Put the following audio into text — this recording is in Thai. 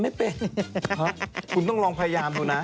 ฮะคุณต้องลองพยายามดูนะ